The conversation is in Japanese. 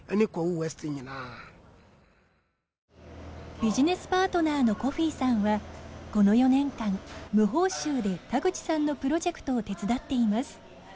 ビジネスパートナーのコフィさんはこの４年間無報酬で田口さんのプロジェクトを手伝っています。